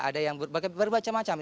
ada yang berbaca baca macam